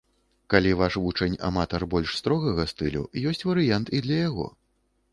Калі ваш вучань аматар больш строгага стылю, ёсць варыянт і для яго.